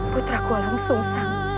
putraku alang sung sang